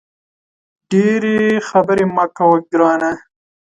ډېري خبري مه کوه ګرانه !